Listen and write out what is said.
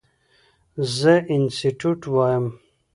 زه انسټيټيوټ وایم.